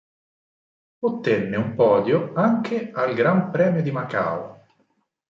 Ottenne un podio anche al Gran Premio di Macao.